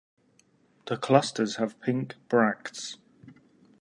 The clusters have pink bracts.